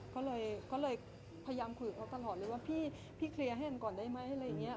ก็เลยพยายามคุยกับเขาตลอดเลยว่าพี่เคลียร์ให้มันก่อนได้ไหมอะไรอย่างนี้